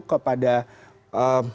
kepada rr dan km